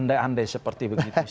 andai andai seperti begitu